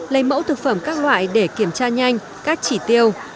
lấy mẫu thực phẩm các loại để kiểm tra nhanh các chỉ tiêu